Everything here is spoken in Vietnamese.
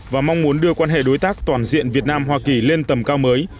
và mong muốn đưa quan hệ đối tác toàn diện việt nam hoa kỳ lên tầm cao mới